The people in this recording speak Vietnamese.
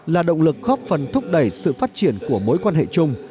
là động lực góp phần thúc đẩy sự phát triển của mối quan hệ chung